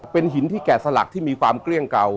เป็นหินที่แก่สลักที่มีความเกลี้ยงเก่า